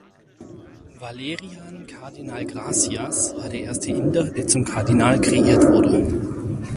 Valerian Kardinal Gracias war der erste Inder, der zum Kardinal kreiert wurde.